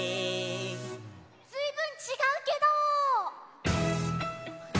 ずいぶんちがうけど！？